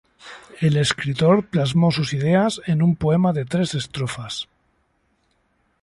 El escritor plasmó sus ideas en un poema de tres estrofas.